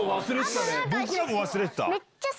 僕らも忘れてた。